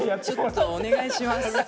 ちょっとお願いします。